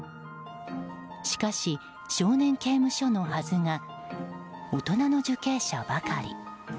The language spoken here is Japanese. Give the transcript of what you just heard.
しかし、少年刑務所のはずが大人の受刑者ばかり。